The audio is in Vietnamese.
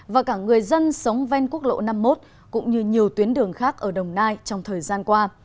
và cả người dân sống ven quốc lộ năm mươi một cũng như nhiều tuyến đường khác ở đồng nai trong thời gian qua